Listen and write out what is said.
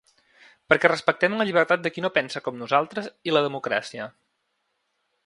Perquè respectem la llibertat de qui no pensa com nosaltres i la democràcia.